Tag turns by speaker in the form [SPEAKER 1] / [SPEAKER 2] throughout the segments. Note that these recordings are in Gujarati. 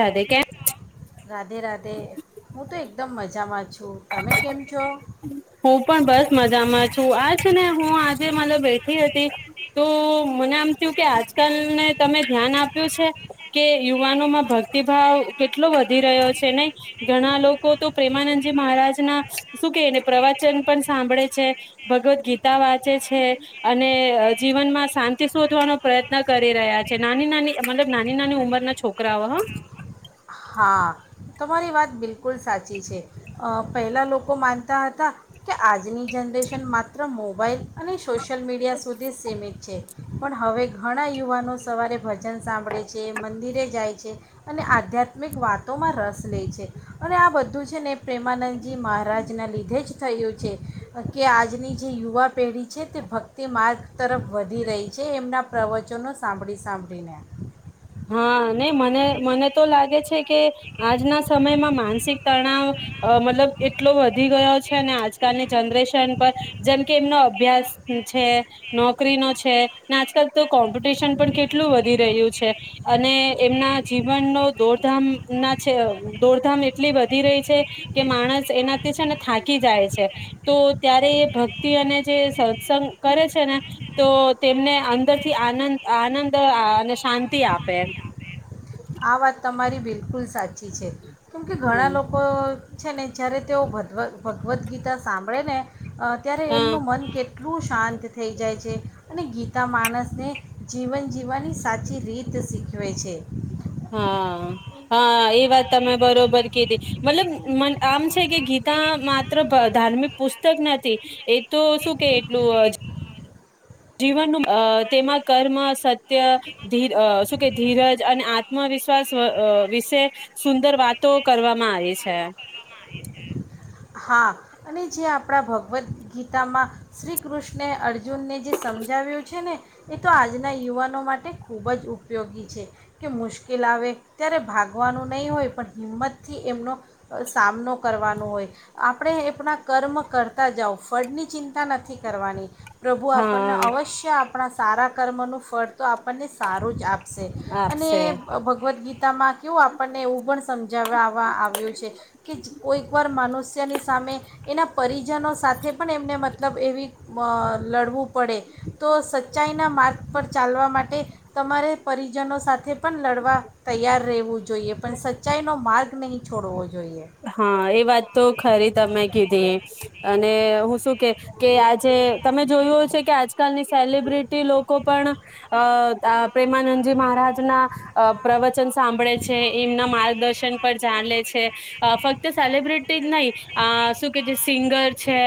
[SPEAKER 1] રાધે કેમ
[SPEAKER 2] રાધે રાધે હું તો એકદમ મજા મજામાં છું. તમે કેમ છો
[SPEAKER 1] હું પણ બસ મજામાં છું. આ છે ને હું આજે મતલબ બેઠી હતી તો, મને આમ થયું કે આજકાલને તમે ધ્યાન આપ્યું છે કે યુવાનોમાં ભક્તિભાવ કેટલો વધી રહ્યો છે નય, ઘણા લોકો તો પ્રેમાનંદ મહારાજના શું કે ને પ્રવચન પણ સાંભળે છે, ભગવદ ગીતા વાંચે છે, અને જીવનમાં શાંતિ શોધવાનો પ્રયત્ન કરી રહ્યા છે, નાની નાની મતલબ નાની નાની ઉંમરના છોકરાઓ હા.
[SPEAKER 2] હા, તમારી વાત બિલકુલ સાચી છે, અ પહેલા લોકો માનતા હતા કે આજની જનરેશન માત્ર મોબાઈલ અને સુ સોશિયલ મીડિયા સુધી જ સીમિત છે. પણ હવે ઘણા યુવાનો સવારે ભજન સાંભળે છે, મંદિરે જાય છે અને આધ્યાત્મ ત્મિક વાતોમાં રસ લે છે, અને આ બધું છે ને એ પ્રેમાનંદજી મહારાજના લીધે જ થયું છે કે, આજની જે યુવા પેઢી છે તે ભક્તિમાર્ગ તરફ વધી રહી છે, એમના પ્રવચનો સાંભળી સાંભળીને.
[SPEAKER 1] હા, ને ને મને મને તો લાગે છે કે આજના સમયમાં માનસિક તણાવ અ મતલબ એટલો વધી ગયો છે ને આજકાલની જનરેશન પર જેમ કે એમનો અભ્યાસ છે, નોકરીનો છે, ને આજકાલ તો કોમ્પિટિશન પણ કેટલું વધી રહ્યું છે. અને એમના જીવનનો દોડધામ ના છે, દોડધામ એટલી વધી રહી છે કે માણસ એનાથી છે ને થાકી જાય છે તો, ત્યારે એ ભક્તિ અને જે સત્સંગ કરે છે ને તો તેમને અંદર થી આનંદ આનંદ અને શાંત તી આપે એમ
[SPEAKER 2] આ વાત તમારી બિલકુલ સાચી છે. કેમ કે ઘણા
[SPEAKER 1] હમ
[SPEAKER 2] લોકો છે ને જ્યારે તેઓ ભદવ ભગવદ્ ગીતા સાંભળે ને અ ત્યારે
[SPEAKER 1] હા
[SPEAKER 2] એમનું મન કેટ એટલું શાંત થઈ જાય છે અને ગીતા માણસને જીવન જીવવાની સાચી રીત શીખવે છે.
[SPEAKER 1] હા, હા, એ વાત તમે બરોબર કીધી મતલબ મ આમ છે કે, ગીતા માત્ર ભ ધાર્મિક પુસ્તક નથી. એ તો શું કે એટલું અજ જીવનનું અ તેમાં કર્મ, સત ત્ય. ધીર અ શું કે ધીરજ અને આત આત્મવિશ્વાસ અ વિશે સુંદર વાતો કરવામાં આવી છે.
[SPEAKER 2] હા અને જે આપણા ભગવદ્ ગીતામાં શ્રી કૃષ્ણે અર્જુનને જે સમજાવ્યું છે ને, એ તો આજના યુવાનો માટે ખૂબ જ ઉપયોગી છે, કે મુશ્કેલ આવે ત્યારે ભાગવાનું નહીં હોય પણ હિંમતથી એમનો સામનો કરવાનો હોય. આપણે એપડા કર્મ કરતા જાવ, ફળની ચિંતા નથી કરવાની. પ્રભુ આપણને
[SPEAKER 1] હા
[SPEAKER 2] અવશ્ય આપ આપણા સારા કર્મનું ફળ તો આપણને સારું જ આપ શે, અને
[SPEAKER 1] આપશે
[SPEAKER 2] ભગવદ ગી તા માં કેવું આપણને એવું પણ સમજાવાવા આવ્યું છે કે જ કોઈક વાર મનુષ્ય જની સામે એના પરિજનો સાથે પણ એમને મતલબ એવી લડવું પડે, તો સચ્ચાઈના માર્ગ પર ચાલવા માટે તમારે પરિજનો સાથે પણ લડવા તૈયાર રહેવું જોઈએ પણ સચ્ચાઈનો માર્ગ નહીં છોડવો જો
[SPEAKER 1] હા, એ વાત તો ખરી જ. તમે કીધી અને હું શું કે કે આજે તમે જોયું હશે કે આજકાલની સેલિબ્રિટી લોકો પણ અ પ્રેમાનંદજી મહારાજના અ પ્રવચન સ સાંભળે છે. એમના માર્ગદર્શન પર ચાલે છે. ફક્ત સેલિબ્રિટી જ નહી, શું કે જે સિંગર છે.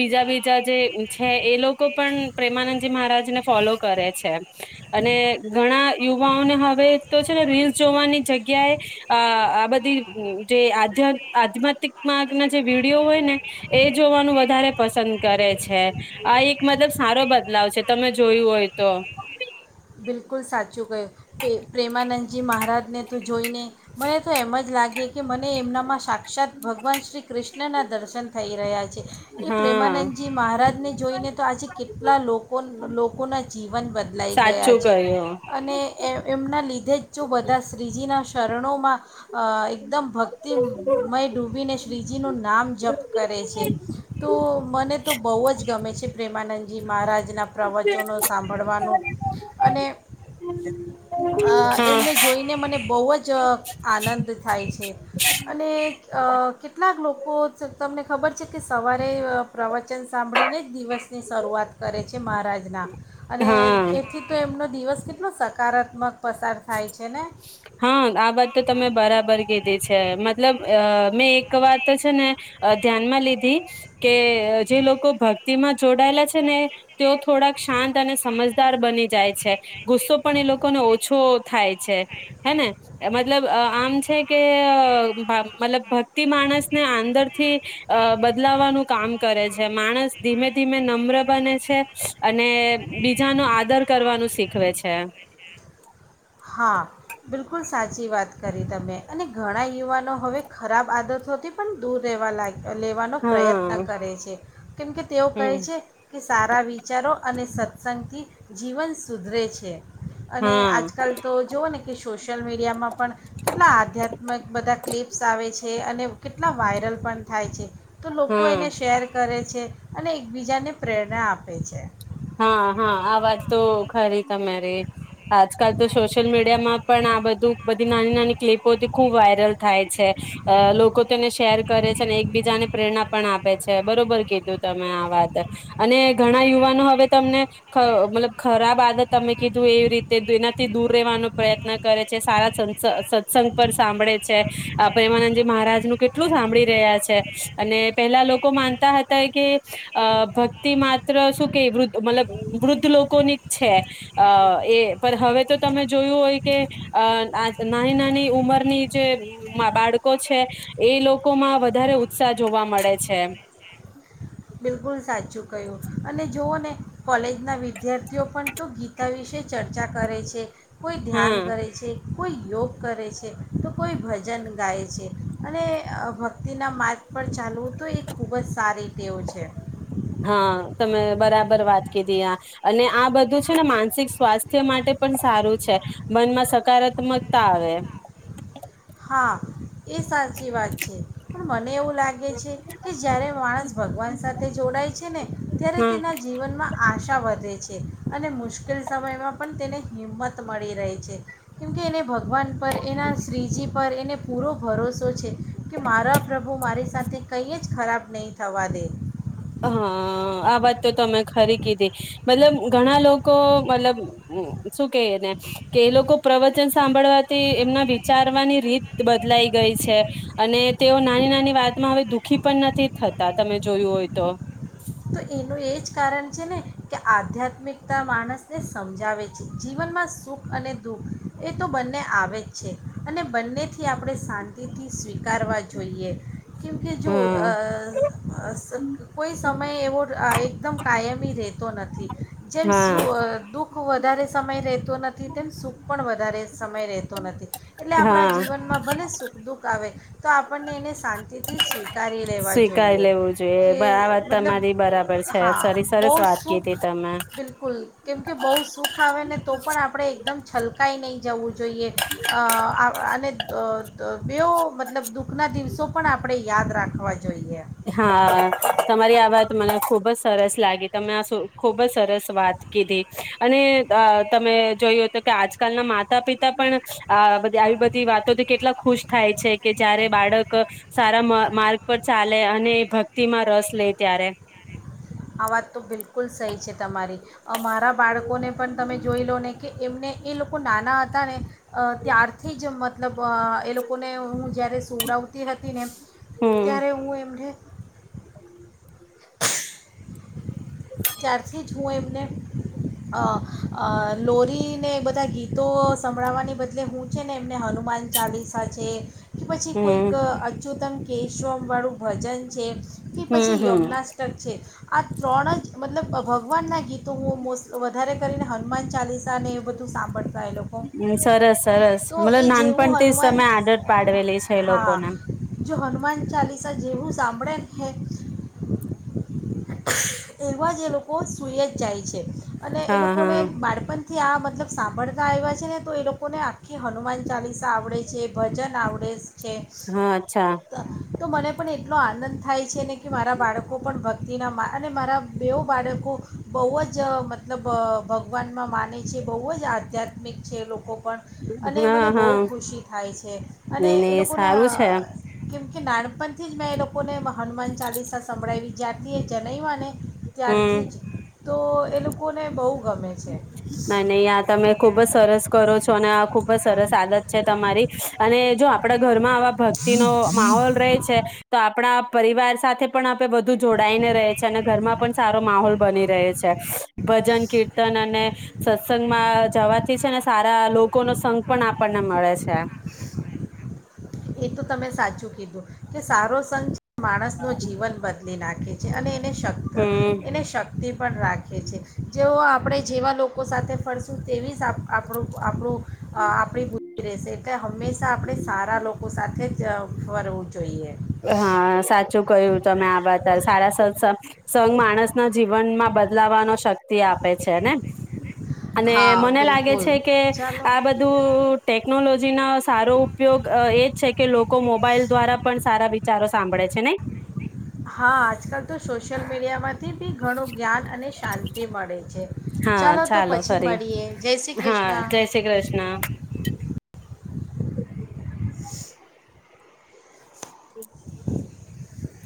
[SPEAKER 1] બીજા બીજા જે છે. એ લોકો પણ પ્રેમાનંદજી મહારાજ ને ફોલો કરે છે. અને ઘણા યુવાઓને હવે તો છે ને રીલ્સ જોવાની જગ્યાએ અ આ બધી જે આધ્યા આધ્યાત્મિકર્ગ ના જે વિડીિયો હોય ને એ જોવાનું વધારે પસંદ કરે છે. આ એક મતલબ સારો બદલાવ છે. તમે જોયું હોય તો?
[SPEAKER 2] બિલકુલ સાચું ક પ્રે પ્રેમાનંદ જે મહારાજને તો જોઈને મને તો એમ જ લાગે કે મને એમના મસા ક્ષાત ભગવાન શ્રી કૃષ્ણના દર્શન થઈ રહ્યા છે. એ
[SPEAKER 1] હા
[SPEAKER 2] પ્રેમાનંદજી મહારાજને જોઈને તો આજે કેટલા લોકો લોકોના જીવન બદલાઈ ગયા
[SPEAKER 1] સાચું કહ્યું
[SPEAKER 2] અને એમ ના લીધે જ જો બધા શ્રીજીનાં શરણોમાં અહ એકદમ ભક્તિમય ડૂબીને શ્રીજીનું નામ જપ કરે છે. તો મને તો બહુ જ ગમે છે. પ્રેમાનંદજી મહારાજ ના પ્રવચનોનો સાંભળવાનું. અને અહ
[SPEAKER 1] હા
[SPEAKER 2] એમને જોઈને મને બહુ જ આનંદ થાય છે. અને અહ કેટલાક લોકો જત ને ખબર છે કે સવાર એ પ્રવચન સાંભળીને જ દિવસની શરૂઆત કરે છે મહારાજના. અને
[SPEAKER 1] હા
[SPEAKER 2] એથી નો દિવસ કેટલો સકારાત્મક પસાર થાય છે ને.
[SPEAKER 1] હા આ વાત તો તમે બરાબર કીધી છે. મતલબ મેં એક વાત છે ને ધ્યાનમાં લીધ દી કે જે લોકો ભક્તિ માં જોડાયેલા છે ને તેઓ થોડાક શાંત અને સમજદાર બની જાય છે. ગુસ્સો પણ એ લોકોને ઓછો થાય છે. હેને મતલબ આમ છે કે અહ મતલબ ભક્તિ માણસને આંદરથી અ બદલાવાનું કામ કરે છે. માણસ ધીમે ધીમે નમ્ર બને છે. અને બીજાનો આદર કરવાનું શીખવે છે.
[SPEAKER 2] હા. બિલકુલ સાચી વાત કરી તમે અને ઘણા યુવાનો હવે ખરાબ આદતોથી પણ દૂર રહેવા લાગ્યા. લેવાનો પ્રયત્ન
[SPEAKER 1] હા
[SPEAKER 2] કરે છે. કેમકે તેઓ કહે
[SPEAKER 1] હમ
[SPEAKER 2] છે કે સારા વિચારો અને સત્સંગથી જીવન સુધરે છે. અને
[SPEAKER 1] હા.
[SPEAKER 2] આજકાલ તો જોુઓ ને કે સોશિયલ મીડિયામાં પણ કેટલા આધ્યાત્મિક બધા ક્લિપ્સ આવે છે. અને કેટલા વાયરલ પણ થાય છે. તો લોકો એને
[SPEAKER 1] હમ
[SPEAKER 2] શેર કરે છે. અને એકબીજાને પ્રેરણા આપે છે.
[SPEAKER 1] હા હા આ વાત તો ખરી તમારી આજકાલ તો સોશિયલ મીડિયામાં પણ આ બધું બધી નાની નાની ક્લિપોથી ખૂબ વાયરલ થાય છે લોકો તેને શેર કરે છે. અને એકબીજાને પ્રેરણા પણ [unintelligible] બરોબર કીધું તમે આ વાત અને ઘણા યુવાનો હવે તમને મતલબ ખરાબ આદત તમે કીધું એવી રીતે એનાથી દૂર રહેવાનો પ્રયત્ન કરે છે. સારા સત્સંગ પર સાંભળે છે. આ પ્રેમાનંદજી મહારાજનું કેટલું સાંભળી રહ્યા છે. અને પેલા લોકો માનતા હતા કે અ ભક્તિ માત્ર શું કે વૃદધ મતલબ વૃદ્ધ લોકોની છે. અ એ પણ હવે તો તમે જોયું હોય કે નાની નાની ઉમરની જે બાળકો છે એ લોકોમાં વધારે ઉત્સાહ જોવા મળે છે.
[SPEAKER 2] બિલકુલ સાચું કહ્યું. અને જોુવઓ ને કોલેજના વિદ્યાર્થીઓ પણ તો ગીતા વિશે ચર્ચા કરે છે. કોઈ ધ્યાન
[SPEAKER 1] હા
[SPEAKER 2] કરે છે. કોઈ યોગ કરે છે. તો કોઈ ભજન ગાય છે. અને ભક્તિના માર્ગ પર ચાલવું તો એ ખૂબ જ સારી તેવું છે.
[SPEAKER 1] હા તમે બરાબર વાત કીડી અને આ અને આ બધું છે ને માનસિક સ્વાસ્થ્ય માટે પણ સારું છે. મનમાં સકારાત્મકતા આવે.
[SPEAKER 2] હા એ સાચી વાત છે. પણ મને એવું લાગે છે કે જય્યારે માણસ ભગવાન સાથે જોડાય છે, ને ત્યારે
[SPEAKER 1] હા
[SPEAKER 2] તેના જીવનમાં આશા વધે છે. અને મુશ્કેલ સમયમાં પણ તેને હિંમત મળી રહે છે. કેમકે એને વન પર એના શ્રીજી પર એને પૂરો ભરોસો છે. કે મારા પ્રભુ મારી સાથે કહી ખરાબ નહીં થવા દે.
[SPEAKER 1] હા આ વાત તો તમે ખરી કીધી. મતલબ ઘણા લોકો મતલબ શું ક ને કે એ લોકો પ્રવચન સાંભળવાથી એમના વિચારવાની રીત બદલાઈ ગઈ છે. અને તેઓ નાની નાની વાતમાં હવે દુઃખી પણ નથી થતા તમે જોયું હોય. તો
[SPEAKER 2] તો એનું એ જ કારણ છે ને કે આધ્યાત્મિકતા માણસને સમજાવે છે. જીવનમાં સુખ અને દુઃખ એ તો બંને આવે જ છે. અને બંને થી આપણે શાંતિથી [unintelligible] કરવા જોઈએ. કયુંકી જો
[SPEAKER 1] હા
[SPEAKER 2] અ [unintelligible] એવો અ એકદમ કાયમી રહેતો નથી. જેમ સુ
[SPEAKER 1] હા
[SPEAKER 2] દુઃખ આખો વધારે સમય રહેતો નથી તેમ સુખ પણ વધારે સમય રહેતો નથી. એટલે આપણા
[SPEAKER 1] હા
[SPEAKER 2] જીવનમાં ભલે સુખ દુઃખ આવે, તો આપણને એને શાંતિથી સ્વી
[SPEAKER 1] સ્વીકારી લેવું જોઈએ પણ આ વાત
[SPEAKER 2] મતલબ
[SPEAKER 1] તમારી બરાબર છે
[SPEAKER 2] હા
[SPEAKER 1] સરરી
[SPEAKER 2] બહુ
[SPEAKER 1] સરસ વાત
[SPEAKER 2] સુખ
[SPEAKER 1] કીધી તમે.
[SPEAKER 2] બિલકુલ કેમકે બહુ સુખ આવે ને તો પણ આપણે એકદમ છલકાઈ નહી જવું જોઈએ, અઅને બે મતલબ દુઃખના દિવસો પણ આપણે યાદ રાખવા જોઈએ.
[SPEAKER 1] હા તમારી વાત મ ખુબ જ સરસ લાગી તમે આ ખુબ જ સરસ વાત કીધી, અને અ તમે જોયું તો કે આજકાલના માતા પિતા પણ, અ આવી બધી વાતોથી કેટલા ખુશ થાય છે કે જયારે બાળક, સારા મા માર્ગ પર ચાલે અને એ ભક્તિ માં રસ લે ત્યારે.
[SPEAKER 2] આ વાત તો બિલકુલ સહી છે. તમારી, અમારા બાળકોને પણ તમે જોઈ લો ને કે એમને એ લોકો નાના હતા ને ત્યારથી જ મતલબ એ લોકોને હું જ્યારે સુવડાવતી હતી ને,
[SPEAKER 1] હમ
[SPEAKER 2] ત્યારે હું એમને [inaudible] ત્યારથી જ હું એમને, અ અ લોરીને એ બધા ગીતો સંભળાવવાને બદલે હું છે ને એમ ને હનુમાન ચાલીસા છે, કે પછી કોઈક
[SPEAKER 1] હમ
[SPEAKER 2] અચ્યુતન કેશવમવાળું ભજન છે. કે પછી
[SPEAKER 1] હમ હમ
[SPEAKER 2] યમુનાસ્તક છે, આ ત્રણ જ મતલબ ભગવાનના ગીતો હું મો વધારે કરીને હનુમાન ચાલીસા ને એ બધું સાંભળતા એ લોકો,
[SPEAKER 1] સરસ સરસ
[SPEAKER 2] તો
[SPEAKER 1] મતલબ
[SPEAKER 2] એ જેવું
[SPEAKER 1] નાનપણથી જ
[SPEAKER 2] હનુમાન
[SPEAKER 1] તમે આદત પાડવેલી છે એ
[SPEAKER 2] હા
[SPEAKER 1] લોકોને
[SPEAKER 2] જો હનુમાન ચાલીસા જેવું સાંભળે હ [inaudible] એવા જે એ લોકો સૂઈ જ જાય છે. અને એ
[SPEAKER 1] હા
[SPEAKER 2] લોકોને
[SPEAKER 1] હા
[SPEAKER 2] બાળપણ થી આ મતલબ સાંભળતા આવ્યા છે ને તો એ લોકોને આખી હનુમાન ચાલીસા આવડે છે ભજન આવડે છે. છે,
[SPEAKER 1] હા અચ્છા
[SPEAKER 2] ત તો મને પણ એટલો આનંદ થાય છે ને કે મારા બાળકો પણ ભક્તિના મા અને મારા બેવ બાળકો, બહુ જ મતલબ ભગવાનમાં માને છે બહુ જ આધ્યાત્મિક છે લોકો પણ અને
[SPEAKER 1] હા
[SPEAKER 2] મને બહુ
[SPEAKER 1] હા
[SPEAKER 2] ખુશી થાય છે અને
[SPEAKER 1] નઈ
[SPEAKER 2] એ
[SPEAKER 1] નઈ
[SPEAKER 2] લોકોના
[SPEAKER 1] સારું છે
[SPEAKER 2] કેમ કે નાનપણથી જ મેં એ લોકોને હનુમાન ચાલીસા સંભળાવી જ્યારથી એ જનયમાં ને
[SPEAKER 1] હમ
[SPEAKER 2] ત્યારથી જ તો એ લોકોને બહુ ગમે છે
[SPEAKER 1] ના નહી આ તમે ખુબ જ સરસ કરો છો અને આ ખુબ જ સરસ આદત છે તમારી અને જો આપડા ઘરમાં આવા ભક્તિ નો માહોલ રહે છે તો આપણા પરિવાર સાથે પણ આપે વધુ જોડાઈને રહે છે, અને ઘરમાં પણ સારો માહોલ બની રહે છે, ભજન કીર્ત ન અને સત્સંગમાં જવાથી છે ને સારા લોકો નો સંઘ પણ આપણને મળે છે.
[SPEAKER 2] એ તો તમે સાચું કીધું કે સારો સ માણસ નું જીવન બદલી ના ખે છે અને શક્ત
[SPEAKER 1] હમ
[SPEAKER 2] ને શક્તિ પણ રાખે છે. જેઓ આપણે જેવા લોકો સાથે ફરશું તેવી જ આપણે આપડું અ આપણી બૂ રહેશે એટલે હંમેશા આપણે સારા લોક સાથે જ ફરવું. જોઈએ
[SPEAKER 1] હા સાચું કય્યું તમે આ વાત સારા સત્સગ સંગ માણસ નાજ જીવનમાં બદલાવાનો શક્તિ આપે છે ને અને
[SPEAKER 2] હા
[SPEAKER 1] મને લાગે
[SPEAKER 2] બિલકુલ
[SPEAKER 1] છે, કે
[SPEAKER 2] ચાલો
[SPEAKER 1] આ બધું ટેકનોલોજીનો સારો ઉપયોગ એજ છે, કે લોકો મોબાઈલ દ્વારા પન વિચારો સાંભળે છે ને.
[SPEAKER 2] હા આજકાલ તો સોશિયલ મીડિયામાંથી બી ઘણું જ્ઞાન અને શાંતિ મળે છે,
[SPEAKER 1] હા
[SPEAKER 2] ચાલો તો પછી
[SPEAKER 1] ફરી
[SPEAKER 2] મળીએ જય શ્રી
[SPEAKER 1] હા જય શ્રી
[SPEAKER 2] કૃષ્ણ. [unintelligible]